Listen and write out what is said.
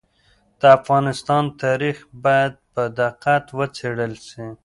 د افغانستان تاریخ باید په دقت وڅېړل سي.